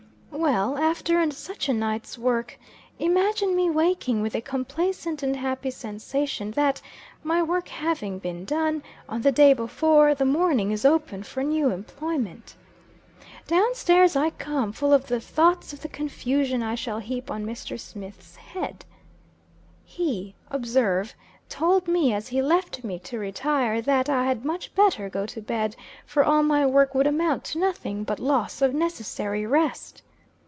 Well, after such a night's work, imagine me waking, with a complacent and happy sensation that, my work having been done on the day before, the morning is open for new employment. Down stairs I come, full of the thoughts of the confusion I shall heap on Mr. Smith's head. He, observe, told me, as he left me to retire, that I had much better go to bed, for all my work would amount to nothing but loss of necessary rest.